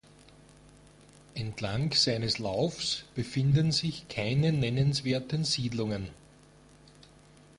Entlang seines Laufs befinden sich keine nennenswerten Siedlungen.